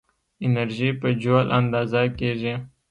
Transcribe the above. انرژي په جول اندازه کېږي.